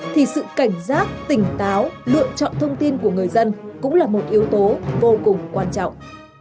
thì sự cảnh giác tỉnh táo lựa chọn thông tin của người dân cũng là một yếu tố vô cùng quan trọng